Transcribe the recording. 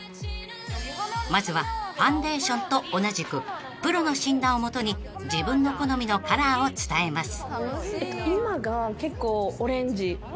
［まずはファンデーションと同じくプロの診断を基に自分の好みのカラーを伝えます］